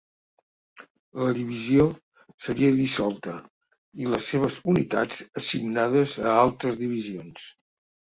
La divisió seria dissolta, i les seves unitats assignades a altres divisions.